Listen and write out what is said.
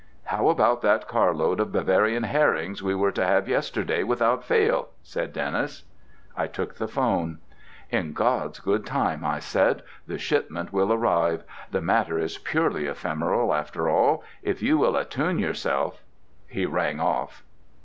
"How about that carload of Bavarian herrings we were to have yesterday without fail?" said Dennis. I took the 'phone. "In God's good time," I said, "the shipment will arrive. The matter is purely ephemeral, after all. If you will attune yourself—" He rang off.